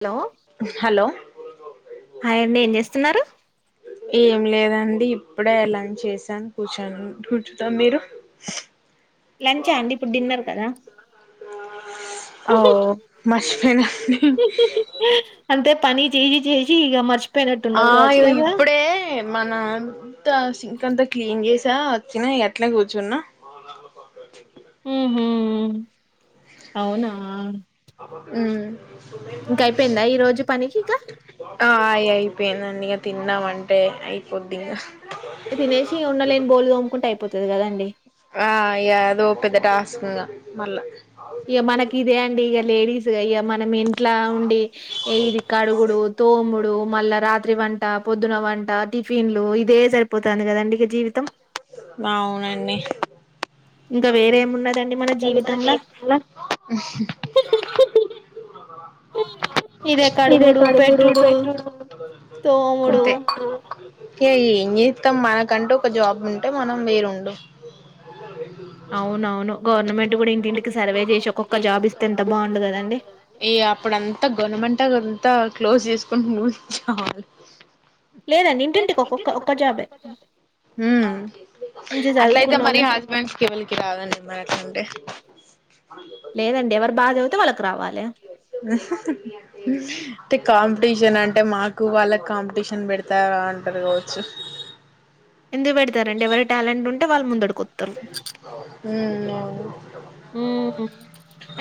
Hello hello hi అండి ఏం చేస్ స్తున్నారు ఏం లేదండి ఇప్పుడే లంచ్ చేసాను కూర్చో కూర్చుతాం మీరు లంచా అండి ఇప్పుడు డిన్నర్ కదా ఓ మర్చిపోయినండి చేసి చేసి ఇగ మర్స్ ఆ అయ్యో ఇప్పుడే మనంత సింక్ అంతా క్లీన్ చేసి వచ్చినా ఇగ అట్లే కూచున్నా హ్మ్ హు అవునా హ్మ్ ఇంక అయిపోయిందా ఈ రోజు పనికి ఇక ఆ ఆయ్ అయిపెయిందండి ఇగ తిన్నామ అంటే అయిపోొద్దుగా తినేసి ఉండలేని బోలుదు అమ్ముకుంటే అయిపోతుంది అది కదండి ఆ ఏదో ఒ పెద్దట ఆసుకుంగా మళ్ళా ఇ మనకి ఇదే అండి ఇక లేడీస్ అ మ మనం ఇంట్లా ఉండి ఇది కడుగుడు తోముడు మళ్ళా రాత్ర రాత్రి వంట పొద్దున వంట టిఫిన్లు ఇదే సరిపోతుంది కదండి ఇ జీవితం నావున ఎన్ని ఇంకా వేరేమున్నదండి అని మన కే జీవితంలా ఇదే కడుగుడు పెట్టుడు తోముడు ఇ ఏం చేస్తాం మనకంటే ఒక జాబ్ ఉంటే మనం వేరుంండడు అవున అవును గవర్నమెంట్ కూడా ఇంటింటికి సర్వే చేసి ఒక్కొక్క జాబ్ ఇస్తే ఎంత బాగుండ కదండి అంత క్లోజ్ చేసుకుంటూ నువాలి లేదండి ఇంటింటికి ఒక్కొక్క ండి ఒక్క జాబే మంచి అట్లయితే మరి చదువుకున్నోళ్ళని హస్బెండ్స్ అద మకుే లేదం ఎవరు బాధ అవుతే వాళ్ళకి రావాలి త కమ ంపిటీషన్ అంటే మాకు వాళ్ళకి కాంపిటీషన్ పెడతార అంటారు కావచ్చు ఎందుకు పెడతారండి ఎవరి టాలెంట్ ఉంటే వాళ్ ముందు హ్మ్ అవును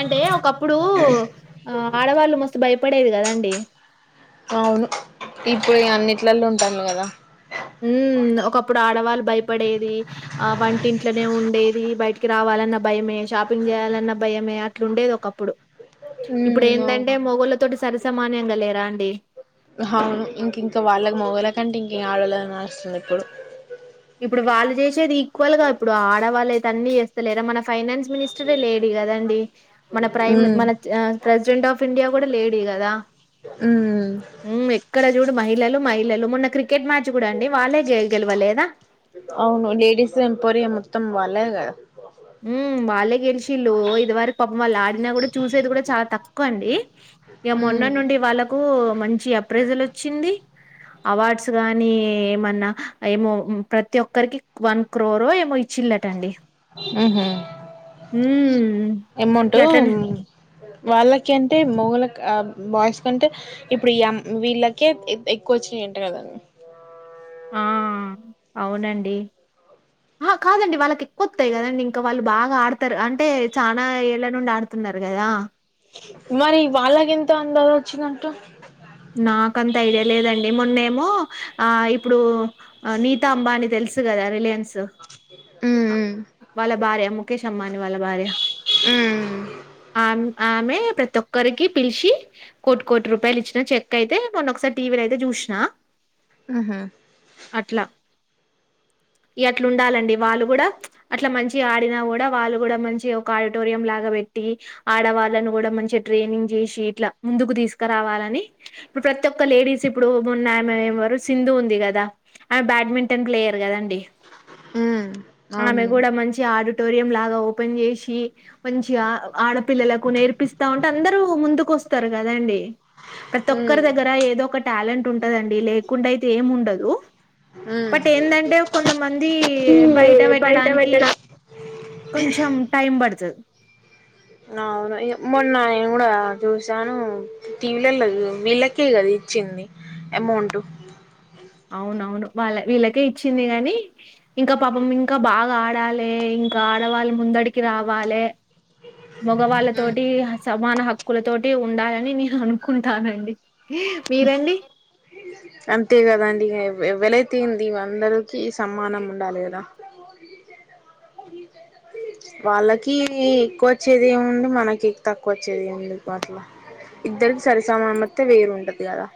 అంటే ఒకప్పుడు ఆ ఆడవాళ్ళు మస్తు భయపడేది కదండి అవును ఇప్పుడు అన్నింటిలల్లో ఉంటాను కదా ఉ ఒకప్పుడు ఆడవాళ్ళు భయప పడేది ఆ వంటింట్లోనే ఉండేది బయటికి రావాలన్న భయం షాపింగ్ చేయాలన్న భయమే ఇట్లుండేది ఒకప్పుడు హ్మ్మ్ ఇప్పుడేందంటే అవును మొగోళ్ళతోటి సరిసమాన్యంగా లేరా అండి. అవును ఇంక ఇంకా వాళ్ళకి మగల కంటే ఇంక ఆడలేదే నడుస్తుంది ఇప్పుడు ఇప్పుడు వాళ్ళు చేసేది ఈక్వల్ గా ఇప్పుడు ఆడవాళ్ళు అన్నీ చేస్తలేరా మన ఫైనాన్స్ మినిస్టరే లేడి కదండి మన హ్మ్ ప్రెసిడెంట్ ఆఫ్ ఇండియా కూడా లేడి కదా హ్మ్ హ్మ్మ్ ఎక్కడ చూడు మహిళలు మహిళలు మొన్న క్రికెట్ మ్యాచ్ కూడా అండి వాళ్ళే గెలవలేదా అవును లేడీస్ ఎంపరియా మొత్తం వాళ్లదే కద మ్మ్ వాళ్ళే గెలిసి ఇళ్ళు ఇదివర పాప వాళ్ళు ఆడినా కూడా చూసేది కూడా చాలా తక్కువ అండి ఇక మొన్న హ్మ్ నుండి వాళ్ళకు మంచి అప్రైజల్ వచ్చింది. అవార్డ్స్ గాని ఏమన్నా ఏమో ప్రతి ఒక్కరికి వన్ క్రోర్ ఏమో ఇచ్చిల్లటండి ఉమ్ హు హ్మ్ అమౌంట్ హు గట్లనే వాళ్ళకి అంటే మోగుల బాయ్స్ కంటే ఇప్పుడు ఈ వీళ్ళకే ఎక్కువ వచ్చిన అంటా కదండి ఆ అవునండి ఆ కాదండి వాళ్ళకి ఎక్కువ వత్తయి కదండి ఇంకా వాళ్ళు బాగా ఆడతారు అంటే చానా ఏళ్ళ నుండి ఆడుతున్నారు కదా మరి వాళ్ళకి ఎంత అందజ వచ్చిదంట నాకంత ఐడియా లేదండి మొన్నే ఏమో ఆ ఇప్పుడు నీతా అంబాని తెలుస్ స్ కదా రిలయాన్స్ వాళ్ళ భార్య ముఖేష్ అంబానీ వాళ్ళ భార్య ఆ న్ ఆమె ప్రతి ఒక్కరికి పిలిచి కోటి కోటి రూపాయలు ఇచ్చి చెక్ అయితే మొన్న ఒకసారి టీవీలో అయితే చూసిన హు హూ అట్లా ఇగ అట్లా ఉండాలండి వాళ్ళు కూడా అట్లా మంచి ఆడినా కూడా వాళ్ళు కూడా మంచి గా ఒక ఆడిటోరియం లాగా పెట్టి ఆడవాళ్ళను కూడా మంచి ట్రైనింగ్ చేసి ఇట్లా ముందుకు తీసుకురావాలని ఇప్పుడు ప్రతి ఒక్క లేడీస్ ఇప్పుడు మన్న ఆమె ఏవారు సింధు ఉంది కదా ఆమె బ్యాట్మెంటన్ ప్లేయర్ కదండీ ఆమె అవునండి కూడా మంచి ఆరు టోరియం లాగా ఓపెన్ చేసి మంచిగా ఆడపిల్లలకు నేర్పిస్తా ఉంటే అందరు ముందుకు వస్ త్వరగా రండి ప్రతి ఒక్కరి దగ్గర ఏదో ఒక టాలెం ట్ ఉంటదండి లేకుండా అయితే ఏం ఉండదు బట్ ఏందంటే కొంతమంది బయట పెట్టడానికి కొంచెం టైం పడుతది అవును మొన్న నేను కూడా చూసాను టీవీలల వీళ్ళకే కదా ఇచ్చింది అమౌంట్ అవునవును వాళ్ళ వీళ్ళకే ఇచ్చింది కగాని ఇంకా పాపం ఇంకా బాగా ఆడాలి ఇంకా ఆడవాళ్ళ ముందడికి రావాలి మగవాళ్ళతోటి ఆ సబ్ మానవ హక్కులతోటి ఉండాలని నేను అనుకుంటానండి మీరండి అంతే కదండి ఇక ఎవలేతేంది అందరికిీ సమానం ఉండాలి కదా వాళ్ళకి ఎక్కువ వచ్చేది ఏముంది మనకి తక్కువ వచ్చేది ఏముంది అట్లా ఇద్దరికి సరిసమానం వస్తే వేరు ఉంటది కదా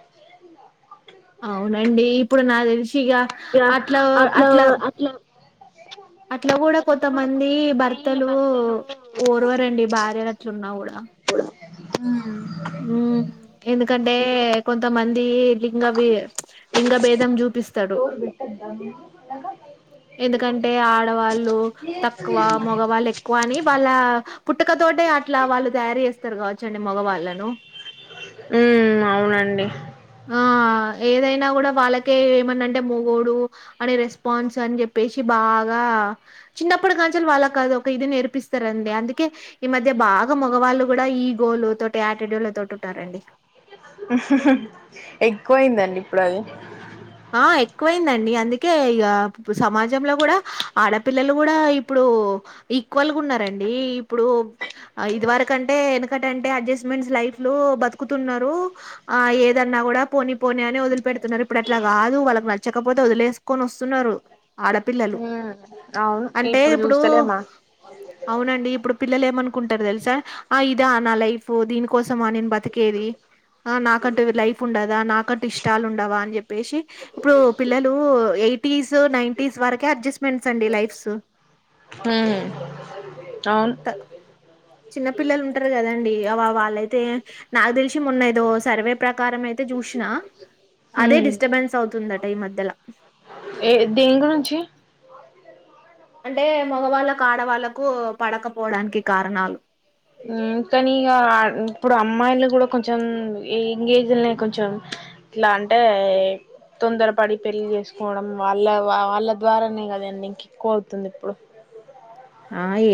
అవునండి ఇప్పుడు నా క్ దేలిస్ ఇగా అట్లా ఓ అట్లా అట్లా కూడా కొంతమంది భర్తలు ఓరవరండి భార్యలు అట్లున్నా కూడా ఆ ఉమ్ ఎందుకంటే కొంతమంది లింగ లింగ భేదం చూపిస్తారు డోర్ పెట్టొద్దా ఎందుకంటే ఆడవాళ్ళు తక్కువ మగవాళ్ళు ఎక్కువ అని వాళ్ళ పుట్ పుట్టుకతోనే అట్లా వాళ్ళు తయారు చేస్తారు కావచ్చండి మగవాళ్ళను ఉమ్ అవునండి ఆ ఏదైనా కూడా వాళ్ళకే ఏమన్న అంటే మొగోడు అని రెస్పాన్స్ అని చెప్పేసి బాగా చిన్నప్పుడు గాంచలు వాళ్ళ కాదు ఇది నేర్పిస్తారండి. అందుకే ఈ మధ్య బాగా మగవాళ్ళు కూడా ఈ గోలు తోటి, ఆటిట్యూడ్ తోటి ఉంటారండి. ఎక్కువయిందండి ఇప్పుడు అది ఆ ఎక్కువైందండి. అందుకే ఇక సమాజంలో కూడా ఆడపిల్లలు కూడా ఇప్పుడు ఈక్వల్గా ఉన్నారండి. ఇప్పుడు ఇదివరకంటే ఎనకటంటే అడ్జస్ట్మెంట్స్ లైఫ్ లో బతుకుతున్నారు. ఆ ఏదన్నా కూడా పోని పోని అని వదిలిపెడుతున్నారు ఇప్పుడు. ఇట్లా కాదు వాళ్ళకి నచ్చకపోతే వదిలేసుకొని వస్తున్నారు. ఆడపిల్లలు ఉమ్ అవును అంటే ఇప్పుడు చూస్తలేమా అవునండి ఇప్పుడు పిల్లలు ఏమను అనుకుంటారు తెలుసా. ఆ ఇదా నా లైఫ్ దీని కోసమా నేను బతికేది. ఆ నాకంటూ లైఫ్ ఉండదా నాకంటూ ఇష్టాలు ఉండవా అని చెప్పి. చెప్పేసి ఇప్పుడు పిల్లలు ఎయిటీస్ నైంటీస్ వరకే అడ్జస్ట్మెంట్స్ అండి లైఫ్స్ ఉమ్ అవును చిన్న పిల్లలు ఉంటరు కదా అండి. వ వాళ్ళైతే నాకు తెలిసి మొన్న ఏదో సర్వే ప్రకారం అయితే చూసినా హూ డిస్టబెన్స్ అవుతుందట ఈ మధ్యల ఏ దేని గురించి అంటే మగవాళ్ళకు ఆడవాళ్ళకు పడకపోవడానికి కారణాలు కానీ ఇక ఇప్పుడు అమ్మాయిలు కూడా కొంచం యాంగ్ ఏజ్ లోనే కొంచెం ఇట్లా అంటే, తొందరపడి పెళ్లి చేసుకోవడం, వాళ్ళ వాళ్ళ ద్వారానే కదండి. ఇంక ఎక్కువ అవుతుంది ఇప్పుడు.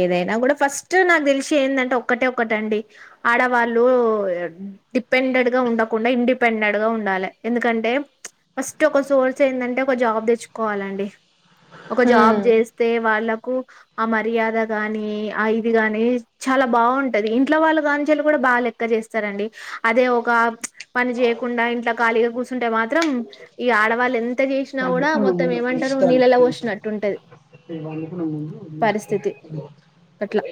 ఏదైనా కూడా ఫస్ట్ నాకు తెలిసి ఏందంటే ఒక్కటే ఒక్కటండి. ఆడవాళ్ళు డిపెండెండ్ గా ఉండకుండా ఇండిపెండెంట్ గా ఉండాలి. ఎందుకంటే ఫస్ట్ సోల్ ఫస్ట్ ఏందంటే ఒక జాబ్ తెచ్చు కోవాలండి ఒక జాబ్ ఉమ్ చేస్తే వాళ్ళ గూక్స్ ఆ మర్యాద గాని ఆ ఇది గాని చాలా బాగుంటది. ఇంట్లో వాళ్ళు కాని చళి కూడా బాగా లెక్క చేస్తారండి. అదే ఒక పని చేయకుండా ఇంట్లో ఖాళీగా కూర్చంటే మాత్ మాత్రం ఈ ఆడవాళ్ళు ఎంత చేసినా, కూడా మొత్తం ఏమంటారు నీళ్ళలో పోసినట్టుంటది. పండుకొన ముందు పరిస్థితి అట్లా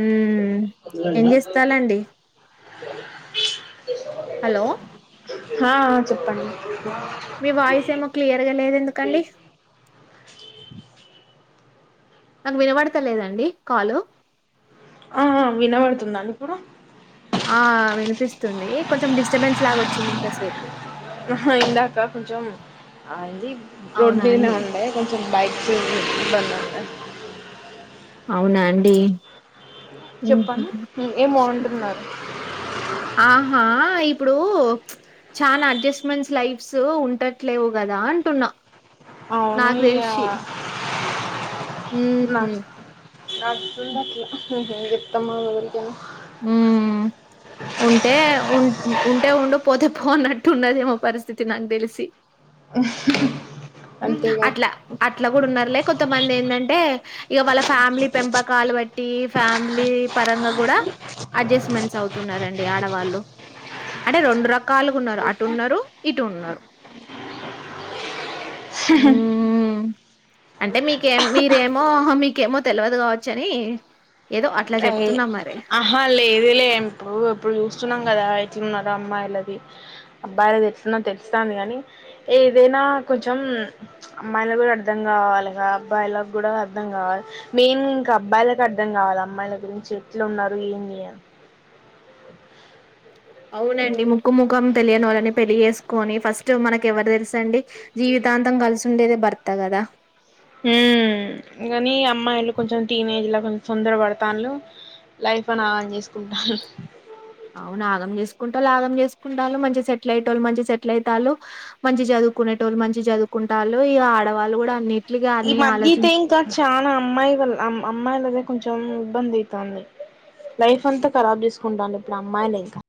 ఉమ్మ్ ఏం చేస్తాలండి హలో హా చెప్పండి మీ వాయిస్ ఏమో క్లియర్గా లేదు ఎందుకండి నాకు వినబడతలేదండి కాలు ఆ ఆ హ్మ్. వినబడుతుంద అండి ఇప్పుడు ఆ వినిపిస్తుంది కొంచెం డిస్టర్బెన్స్ లాగా వచ్చిందింతసేపు హాయ్ అండి రోడ్ మీదనే ఉండే కొంచెం బైక్ బండి ఆపిన అవునా అండి [unintelligible] చెప్పండి ఏమో అంటున్నారు ఆ హా ఇప్ ఇప్పుడు చానా అడ్జస్ట్మెంట్స్ లైఫ్స్ ఉండట్లేవు కదా అంటున్నా అవును నాకు ఇయ తెలిసి నా హ్మ్ [unintelligible] చేప్తమ ఉ ఉంటే ఉ ఉంటే ఉండు పోతే పో అన్ ట్టు ఉన్నదేమో పరిస్థితి నాకు తెలిసి అంతేగా అట్లా అట్లా కూడా ఉన్నరులే కొంతమంది ఏందంటే ఇక వాళ్ళ ఫ్యామిలీ పెంపకాలు బట్టి ఫ్యామిలీ పరంగ గూడ అడ్జస్ట్మెంట్స్ అవుతున్నారండి ఆడవాళ్ళు అంటే రెండు రక కాలుగా ఉన్నరు అటు ఉన్నరు ఇటు ఉన్నరు హ్మ్. ఆ అంటే మీకేం మీరేమో మీకేమో తెలవదు కావచ్చు అని ఏదో అట్లా గే చెప్తున్నా మరి అహ లే లే ఇప్పుడు ఇప్పుడు చూస్తున్నాం కదా ఎట్లున్నరో అమ్మాయిలది అబ్బాయిలది ఎట్లున్నా తెలుస్తాంది కానీ ఏదైనా కొంచెం అమ్మాయిలకు కూడా అర్థం కావాలిగా అబ్బాయిలకి కూడా అర్థం కావాలి మెయిన్ ఇంకా అబ్బాయిలకు అర్థం కావాలి అమ్ అమ్మాయిల గురించి ఎట్లా ఉన్నరు ఏంది అని అవునండి ముక్కు ముఖం తెలియని వాళ్ళని పెళ్లి చేేసుకొని ఫస్ట్ మనకు ఎవరు తెలుసు అండి జీవితాంతం కలిసి ఉండేదే భర్త కదా ఉ కానీ అమ్మాయిలు కొంచెం టీనేజ్ లా కొంచం తొందర పడతాళ్లు లైఫ్ ని ఆగం చేసుకుంటాళ్లు అవును ఆగం చేసుకునేటోళ్ళు ఆగం చేసుకుంటాళ్ళు మంచిగా సెటిల్ అయ్యేటోళ్ళు మంచిగా సెటిల్ అయితాళ్లు మంచిగా చదువుకునేటోళ్ళు మంచిగా చదువుకుంటాళ్లు ఇగా ఆడవాళ్ళు కూడా అన్ని ఈ మధ్య అయితే ఆలోచించు ఇంకా చాల అమ్మాయి అమ్మాయిలదే కొంచెం ఇబ్బంది అయితాంది లైఫ్ అంతా కరాబ్ చేసుకుంటాళ్లు ఇప్పుడు అమ్మాయిలే ఇంకా